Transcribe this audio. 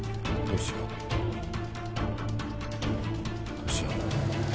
どうしよう。